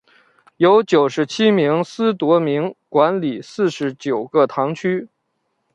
由九十七名司铎名管理四十九个堂区。